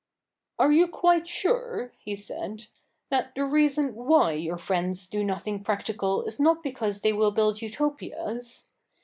' Are you quite sure,' he said, ' that the reason why your friends do nothing practical is not because they will build Utopias